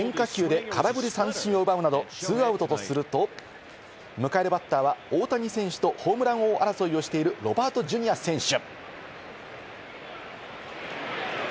変化球で空振り三振を奪うなど２アウトとすると、迎えるバッターは大谷選手とホームラン王争いをしているロバートＪｒ．選手。